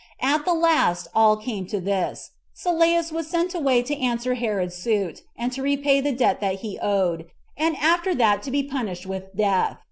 At the last all came to this, Sylleus was sent away to answer Herod's suit, and to repay the debt that he owed, and after that to be punished [with death].